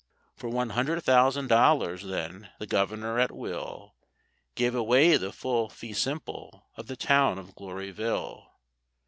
For one hundred thousand dollars then the Governor at will Gave away the full fee simple of the town of Gloryville.